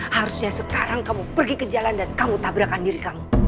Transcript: harusnya sekarang kamu pergi ke jalan dan kamu tabrakan diri kamu